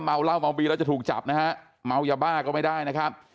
เหล้าเมาบีแล้วจะถูกจับนะฮะเมายาบ้าก็ไม่ได้นะครับ